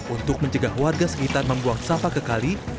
untuk mencegah warga sekitar membuang sampah ke kali